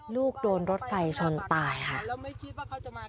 ลูกโดนรถไฟชนตายค่ะ